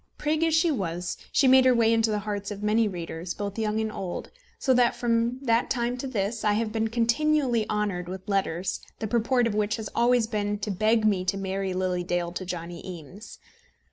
Prig as she was, she made her way into the hearts of many readers, both young and old; so that, from that time to this, I have been continually honoured with letters, the purport of which has always been to beg me to marry Lily Dale to Johnny Eames.